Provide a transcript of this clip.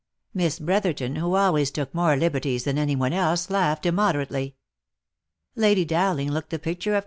Miss Brotherton, who always took more liberties than any one else, laughed immoderately ; Lady Dowling looked the picture of OF MICHAEL ARMSTRONG.